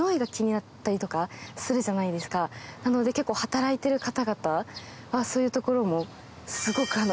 なので結構働いている方々はそういうところも。